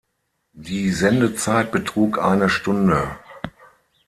Die Sendezeit betrug eine Stunde.